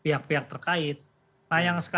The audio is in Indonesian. ya itu memangnya